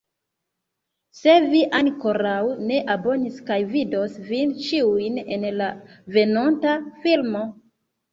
Se vi ankoraŭ ne abonis kaj vidos vin ĉiujn en la venonta filmo